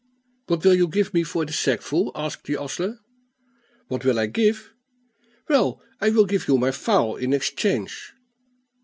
"What will you give me for the sackful?" asked the ostler. "What will I give? Well, I will give you my fowl in exchange."